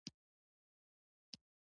د شنو سبزیو کرل د بازار غوښتنې پوره کوي.